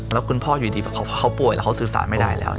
แล้วคุณพ่ออยู่ดีเขาป่วยแล้วเขาสื่อสารไม่ได้แล้ว